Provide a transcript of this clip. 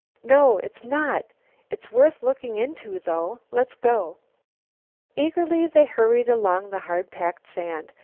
"No, it's not. It's worth looking into, though. Let's go." Eagerly they hurried along over the hard packed sand.